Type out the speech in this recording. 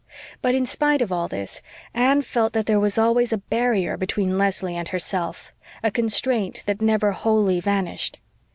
But, in spite of all this, Anne felt that there was always a barrier between Leslie and herself a constraint that never wholly vanished.